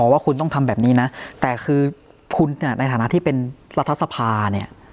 ว่าคุณต้องทำแบบนี้นะแต่คือคุณเนี่ยในฐานะที่เป็นรัฐสภาเนี่ย